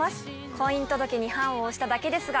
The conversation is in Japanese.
「婚姻届に判を捺しただけですが」